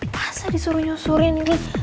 tasa disuruh nyusurin